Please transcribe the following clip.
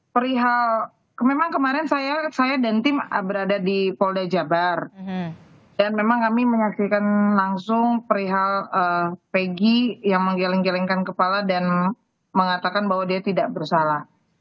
perihal memang kemarin saya dan tim berada di polda jabar dan memang kami menyaksikan langsung perihal pegi yang menggeleng gelengkan kepala dan mengatakan bahwa dia tidak bersalah